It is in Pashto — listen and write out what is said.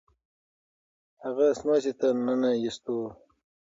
هغه سمڅې ته ننه ایستو.